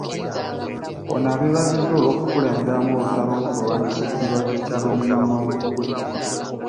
Ono abeebazizza olw'okukulemberamu olutalo lw'okulwanyisa ekirwadde kya Lumiimamawuggwe